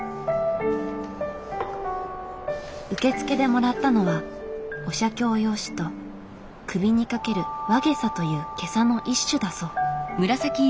受付でもらったのはお写経用紙と首に掛ける輪袈裟という袈裟の一種だそう。